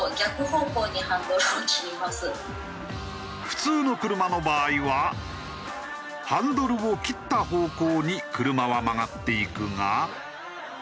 普通の車の場合はハンドルを切った方向に車は曲がっていくが。